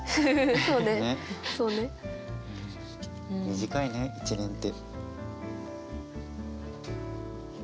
短いね１年って。